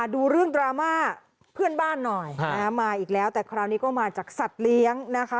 ดูเรื่องดราม่าเพื่อนบ้านหน่อยมาอีกแล้วแต่คราวนี้ก็มาจากสัตว์เลี้ยงนะคะ